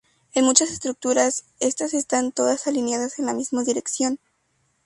En muchas estructuras estas están todas alineadas en la misma dirección.